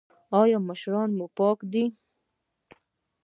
ایا ماشومان مو پاک دي؟